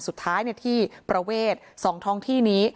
สุดท้ายที่ประเวท๒ท้องที่นี้